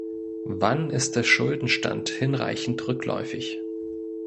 Wann ist der Schuldenstand hinreichend rückläufig?